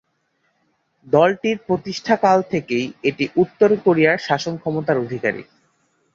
দলটির প্রতিষ্ঠাকাল থেকেই এটি উত্তর কোরিয়ার শাসন ক্ষমতার অধিকারী।